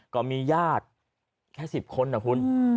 ก็มีญาติแค่๑๐คนนะคุณ